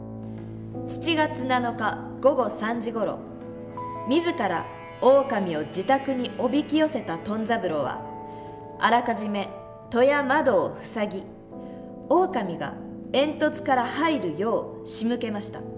７月７日午後３時ごろ自らオオカミを自宅におびき寄せたトン三郎はあらかじめ戸や窓を塞ぎオオカミが煙突から入るようしむけました。